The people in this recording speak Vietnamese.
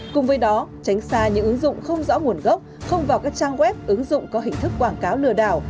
cùng với đó tránh xa những ứng dụng không rõ nguồn gốc không vào các trang web ứng dụng có hình thức quảng cáo lừa đảo